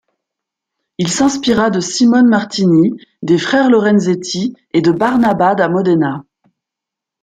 Il s'inspira de Simone Martini, des frères Lorenzetti et de Barnaba da Modena.